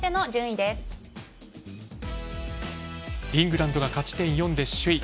イングランドが勝ち点４で首位。